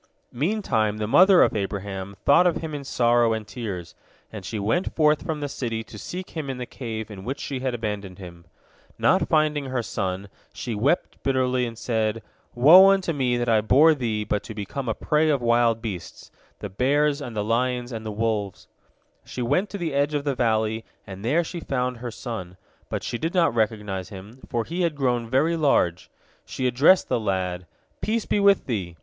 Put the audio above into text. Meantime the mother of Abraham thought of him in sorrow and tears, and she went forth from the city to seek him in the cave in which she had abandoned him. Not finding her son, she wept bitterly, and said, "Woe unto me that I bore thee but to become a prey of wild beasts, the bears and the lions and the wolves!" She went to the edge of the valley, and there she found her son. But she did not recognize him, for he had grown very large. She addressed the lad, "Peace be with thee!"